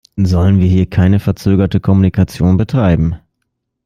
Sollen wir hier keine verzögerte Kommunikation betreiben?